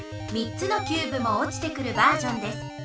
３つのキューブもおちてくるバージョンです。